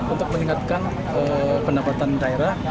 untuk meningkatkan pendapatan daerah